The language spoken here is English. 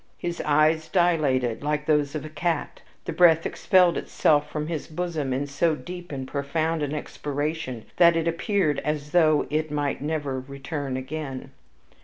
His eyes dilated like those of a cat, the breath expelled itself from his bosom in so deep and profound an expiration that it appeared as though it might never return again.